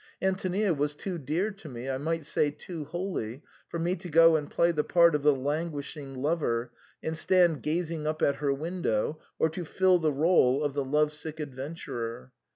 Antonia was too dear to me, I might say too holy, for me to go and play the part of the languishing lover and stand gazing up at her window, or to fill the rdle of the love sick adventurer.